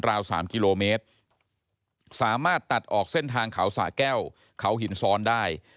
ราว๓กิโลเมตรสามารถตัดออกเส้นทางเขาสะแก้วเขาหินซ้อนได้